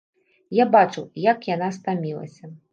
Я бачыў, як яна стамілася.